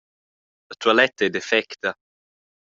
La tualetta ei defecta.